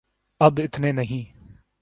اب اتنے نہیں۔